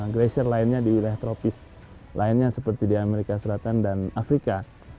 gracer lainnya di wilayah tropis lainnya seperti di amerika selatan dan afrika